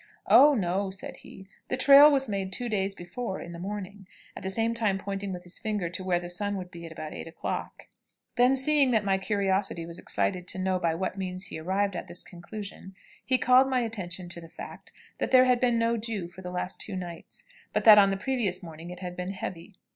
"Oh no," said he, "the trail was made two days before, in the morning," at the same time pointing with his finger to where the sun would be at about 8 o'clock. Then, seeing that my curiosity was excited to know by what means he arrived at this conclusion, he called my attention to the fact that there had been no dew for the last two nights, but that on the previous morning it had been heavy.